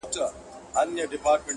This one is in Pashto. تر قلمه د بېلتون عزرایل راسي؛؛!